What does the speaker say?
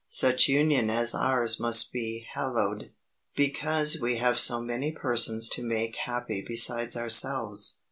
Such union as ours must be hallowed, because we have so many persons to make happy besides ourselves."